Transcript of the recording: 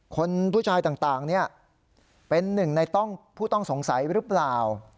คนผู้ชายต่างเป็นหนึ่งในต้องผู้ต้องสงสัยหรือเปล่า